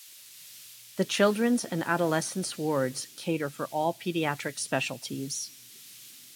The Children's and adolescents' wards cater for all paediatric specialities.